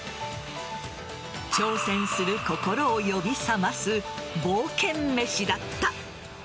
挑戦する心を呼び覚ます冒険めしだった。